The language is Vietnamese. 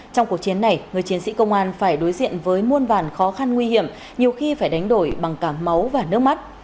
trong cuộc chiến này người chiến sĩ công an phải đối diện với muôn vàn khó khăn nguy hiểm nhiều khi phải đánh đổi bằng cả máu và nước mắt